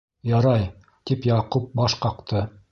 - Ярай, - тип, Яҡуп баш ҡаҡты.